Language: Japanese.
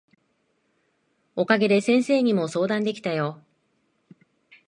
お陰で先生にも相談できたよ。